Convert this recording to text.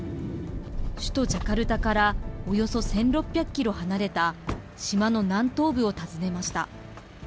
首都ジャカルタからおよそ１６００キロ離れた島の南東部を訪ねました。